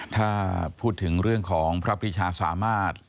ถ้าพูดถึงเรื่องของพระปริชาสามารถ